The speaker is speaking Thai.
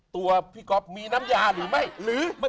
ตัวพี่ก๊อปมีน้ำยาหรือไม่